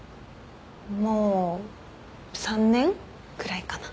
もう３年くらいかな。